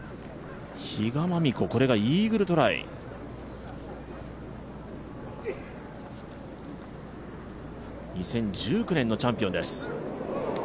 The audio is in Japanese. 比嘉真美子、これがイーグルトライ２０１９年のチャンピオンです。